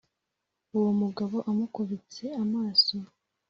uwo mugabo amukubitse amaso,